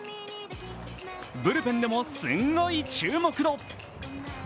ブルペンでも、すんごい注目度。